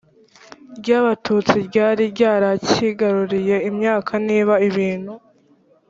ry abatutsi ryari ryarakigaruriye imyaka niba ibintu